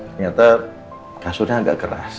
ternyata kasurnya agak keras